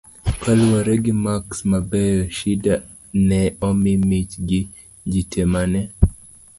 kaluwore gi maks mabeyo, Shida ne omi mich gi ji te mane